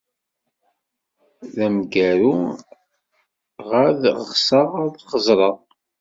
D ameǧǧaru ɣad xseɣ ad xezreɣ.